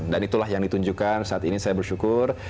dan itulah yang ditunjukkan saat ini saya bersyukur